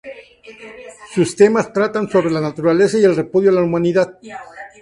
Sus temas tratan sobre la naturaleza y el repudio a la humanidad.